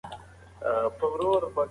څېړنه د سرطان او زړه ناروغۍ خطر ارزوي.